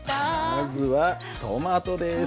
まずはトマトです。